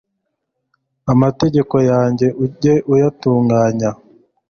amategeko yanjye ujye uyatunganya